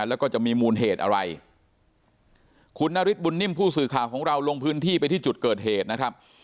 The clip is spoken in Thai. แล้วก็จะมีมูลเหตุอะไรคุณนฤทธบุญนิ่มผู้สื่อข่าวของเราลงพื้นที่ไปที่จุดเกิดเหตุนะครับ